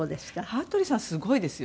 羽鳥さんはすごいですよね。